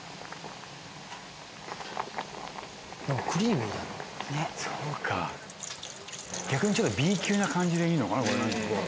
何かクリーミーやなねっそうか逆にちょっとＢ級な感じでいいのかな？